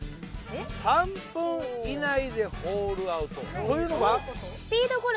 ３分以内でホールアウトというのは？どういうこと？